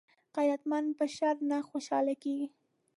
غیرتمند په شر نه خوشحاله کېږي